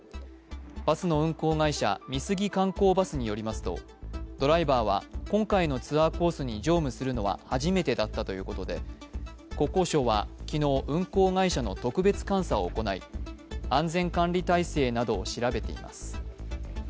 バスの運行会社、美杉観光バスによりますとドライバーは今回のツアーコースに乗務するのは初めてだったということで国交省は昨日運行会社の特別監査を行い安全管理体制などを調べています。